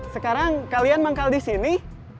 sekarang kalian manggal di sini